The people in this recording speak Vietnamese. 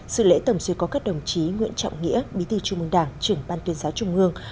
sự lễ tổng duyệt có các đồng chí nguyễn trọng nghĩa bí thư trung mương đảng trưởng ban tuyên giáo trung ương